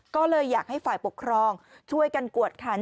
ก็เลยอยากให้ฝ่ายปกครองช่วยกันกวดขัน